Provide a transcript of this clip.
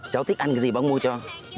cháu thích ăn cái gì bác mua cho